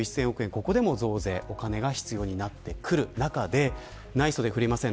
ここでも増税お金が必要になってくる中でない袖は振れません。